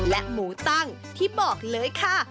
และหมูตั้งที่บอกเลยค่ะ